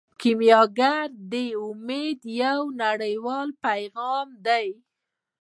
کیمیاګر د امید یو نړیوال پیغام دی.